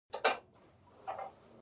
ښځې په اداره کې حق لري